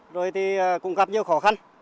rồi thì cũng gặp nhiều khó khăn